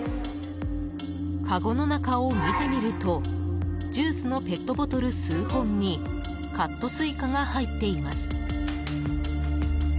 かごの中を見てみるとジュースのペットボトル数本にカットスイカが入っています。